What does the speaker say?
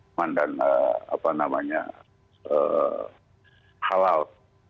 aman dan halal